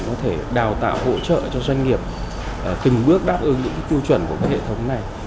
có thể đào tạo hỗ trợ cho doanh nghiệp từng bước đáp ứng những tiêu chuẩn của hệ thống này